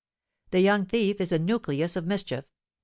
"The young thief is a nucleus of mischief.